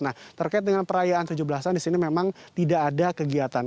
nah terkait dengan perayaan tujuh belas an di sini memang tidak ada kegiatan